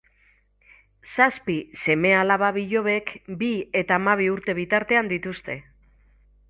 Zazpi seme-alaba-bilobek bi eta hamabi urte bitartean dituzte.